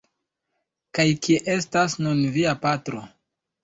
Kaj kie estas nun via patro?